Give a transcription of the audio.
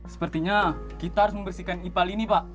sepertinya kita harus membersihkan ipal ini pak